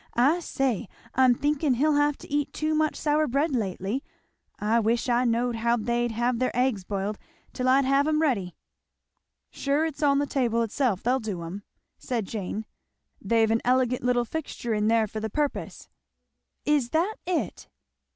I say, I'm thinking he'll have eat too much sour bread lately! I wish I knowed how they'd have their eggs boiled, till I'd have 'em ready." "Sure it's on the table itself they'll do 'em," said Jane. "They've an elegant little fixture in there for the purpose." "Is that it!"